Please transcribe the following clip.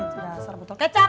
cerasa botol kecap